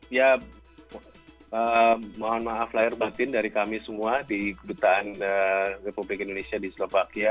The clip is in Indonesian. ya mohon maaf lahir batin dari kami semua di kedutaan republik indonesia di slovakia